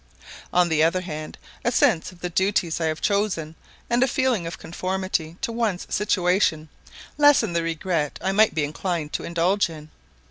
On the other hand, a sense of the duties I have chosen, and a feeling of conformity to one's situation, lessen the regret I might be inclined to indulge in.